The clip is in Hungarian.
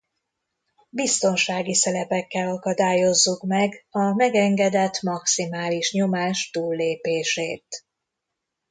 Biztonsági szelepekkel akadályozzuk meg a megengedett maximális nyomás túllépését.